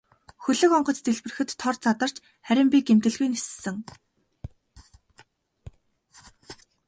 Хөлөг онгоц дэлбэрэхэд тор задарч харин би гэмтэлгүй ниссэн.